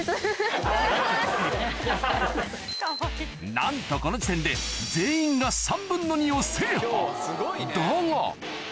なんとこの時点で全員が３分の２を制覇だが！